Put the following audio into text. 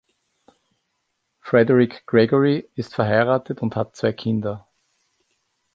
Frederick Gregory ist verheiratet und hat zwei Kinder.